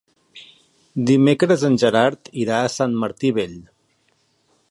Dimecres en Gerard irà a Sant Martí Vell.